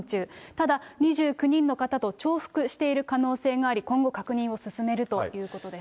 ただ、２９人の方と重複している可能性があり、今後、確認を進めるということです。